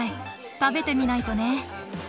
食べてみないとね。